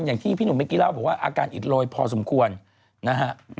อย่างที่พี่หนุ่มเมื่อกี้เล่าบอกว่าอาการอิดโรยพอสมควรนะฮะ